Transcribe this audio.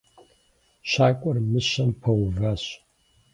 Щакӏуэр мыщэм пэуващ.